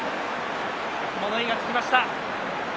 物言いがつきました。